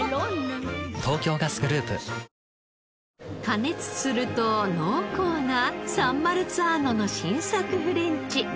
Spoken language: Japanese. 加熱すると濃厚なサンマルツァーノの新作フレンチ。